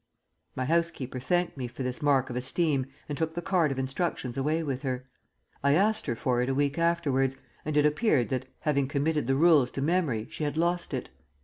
My housekeeper thanked me for this mark of esteem and took the card of instructions away with her. I asked her for it a week afterwards and it appeared that, having committed the rules to memory, she had lost it.